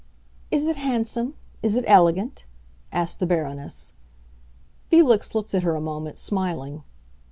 "Is it handsome—is it elegant?" asked the Baroness. Felix looked at her a moment, smiling.